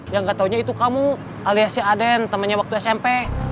yang gak taunya itu kamu aliasnya aden temannya waktu smp